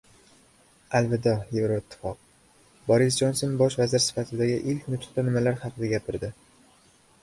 Alvido, Yevroittifoq! Boris Jonson bosh vazir sifatidagi ilk nutqida nimalar haqida gapirdi?